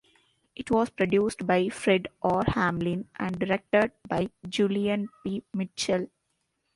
It was produced by Fred R. Hamlin and directed by Julian P. Mitchell.